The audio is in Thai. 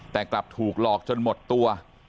แต่กลับถูกหลอกจนหมดตัว